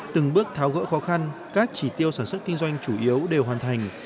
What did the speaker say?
từng bước tháo gỡ khó khăn các chỉ tiêu sản xuất kinh doanh chủ yếu đều hoàn thành